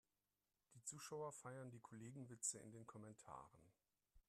Die Zuschauer feiern die Kollegenwitze in den Kommentaren.